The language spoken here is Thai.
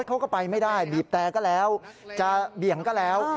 เขาก็ไปไม่ได้บีบแต่ก็แล้วจะเบี่ยงก็แล้ว